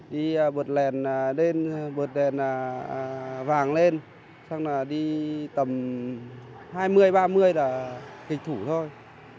đi bột đèn vàng lên đi tầm hai mươi ba mươi là kịch thủ thôi